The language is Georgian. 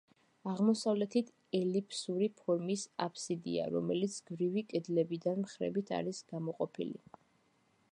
აღმოსავლეთით ელიფსური ფორმის აბსიდია, რომელიც გრძივი კედლებიდან მხრებით არის გამოყოფილი.